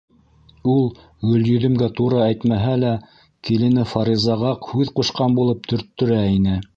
Ул Гөлйөҙөмгә тура әйтмәһә лә, килене Фаризаға һүҙ ҡушҡан булып төрттөрә ине.